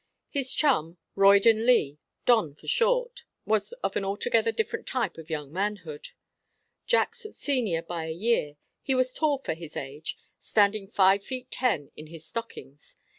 His chum, Roydon Leigh "Don" for short was of an altogether different type of young manhood. Jack's senior by a year, he was tall for his age, standing five feet ten in his stockings.